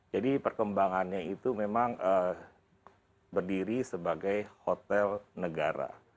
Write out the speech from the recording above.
jadi perkembangannya itu memang berdiri sebagai hotel negara